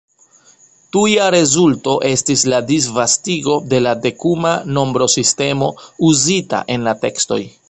Tuja rezulto estis la disvastigo de la dekuma nombrosistemo uzita en la tekstoj.